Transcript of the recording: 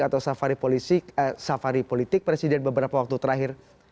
atau safari politik presiden beberapa waktu terakhir